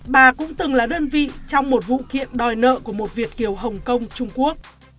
bà cũng từng là đơn vị trong một vụ kiện đòi nợ của một việt kiều hồng kông trung quốc